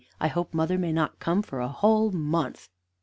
I hope mother may not come for a whole month."